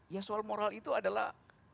ya soal moral itu adalah